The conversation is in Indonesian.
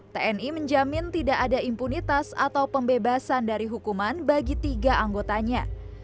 tni menjamin tidak ada impunitas atau pembebasan dari hukuman bagi tiga anggotanya